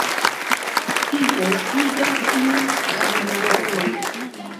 Tio igas min plulabori.